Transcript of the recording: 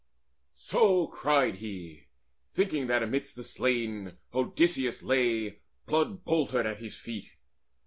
So cried he, thinking that amidst the slain Odysseus lay blood boltered at his feet.